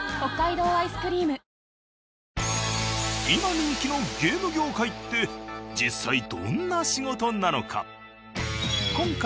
今人気のゲーム業界って実際どんな仕事なのか？